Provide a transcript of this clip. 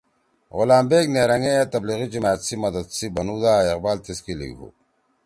غلام بیک نیرنگ ئے اے تبلیغی جماعت سی مدد سی بنُودا علامہ اقبال تیسکے لیِگُو: